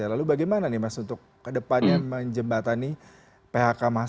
lalu bagaimana mas untuk kedepannya menjembatani phk